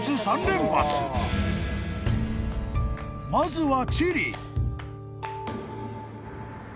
［まずは］